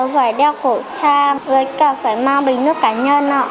phải đeo khẩu trang với cả phải mang bình nước cá nhân